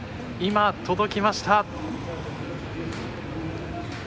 今、届きました。